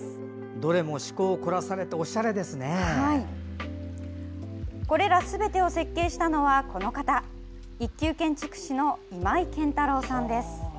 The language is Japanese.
どれも趣向を凝らされてこれらすべてを設計したのはこの方、一級建築士の今井健太郎さんです。